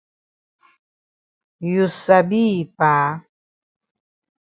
You sabi yi pa.